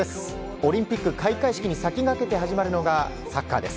オリンピック開会式に先駆けて始まるのがサッカーです。